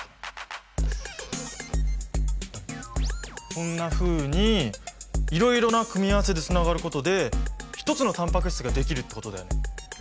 こんなふうにいろいろな組み合わせでつながることで一つのタンパク質ができるってことだよ。